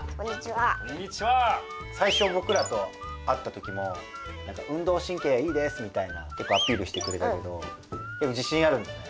さいしょぼくらと会ったときもなんか運動神経いいですみたいなとこアピールしてくれたけど自信あるんだね。